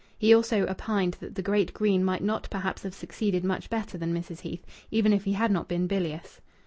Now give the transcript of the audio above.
He also opined that the great Greene might not perhaps have succeeded much better than Mrs. Heath, even if he had not been bilious.